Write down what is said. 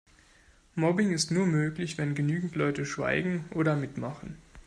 Mobbing ist nur möglich, wenn genügend Leute schweigen oder mitmachen.